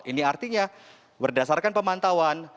ini artinya berdasarkan pemantauan